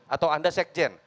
atau anda sekjen